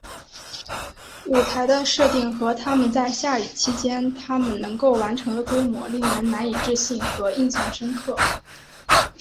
舞台的设定和他们在下雨期间他们能够完成的规模令人难以置信和印象深刻。